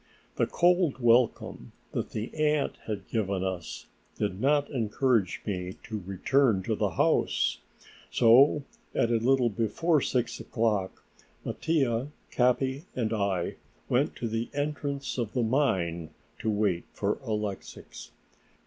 The cold welcome that the aunt had given us did not encourage me to return to the house, so at a little before six o'clock, Mattia, Capi, and I went to the entrance of the mine to wait for Alexix.